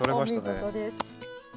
お見事です。